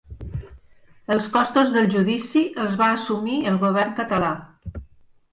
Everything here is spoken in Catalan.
Els costos del judici els va assumir el govern català.